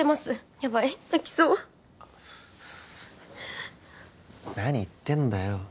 ヤバい泣きそう何言ってんだよ